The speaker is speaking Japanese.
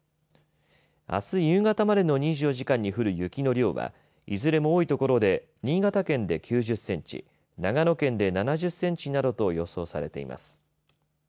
あす夕方までの２４時間に降る雪の量はいずれも多い所で新潟県で９０センチ長野県で７０センチなどと予想されています。